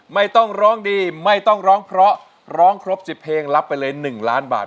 ไม่ต้องร้องดีไม่ต้องร้องเพราะร้องครบ๑๐เพลงรับไปเลย๑ล้านบาท